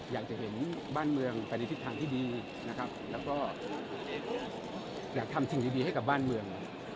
อยากจะเห็นบ้านเมืองไปในทิศทางที่ดีนะครับแล้วก็อยากทำสิ่งดีให้กับบ้านเมือง